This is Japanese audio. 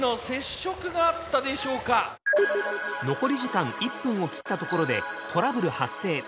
残り時間１分を切ったところでトラブル発生。